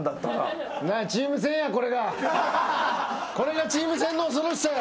これがチーム戦の恐ろしさや。